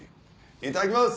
いただきます！